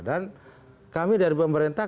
dan kami dari pemerintah